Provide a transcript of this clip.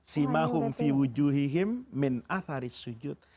simahum fi wujuhihim min atharis sujud